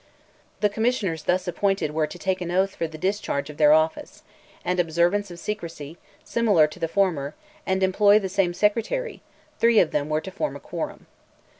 "The Commissioners thus appointed were to take an oath for the discharge of their office, and observance of secrecy, similar to the former, and employ the same Secretary, and three of them were to form a quorum.